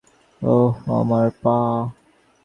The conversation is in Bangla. ওহ আমার পা।